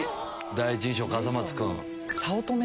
第一印象笠松君。